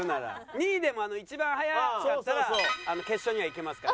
２位でも一番速かったら決勝にはいけますから。